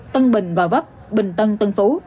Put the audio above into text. tân bình bò vấp bình tân tân phú